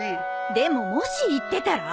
でももし言ってたら？